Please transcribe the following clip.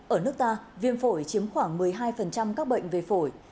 ở nước ta viêm phổi chiếm khoảng một mươi hai các bệnh về phổi